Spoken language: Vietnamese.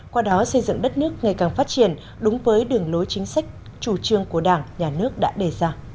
qua đó xây dựng đất nước ngày càng phát triển đúng với đường lối chính sách chủ trương của đảng nhà nước đã đề ra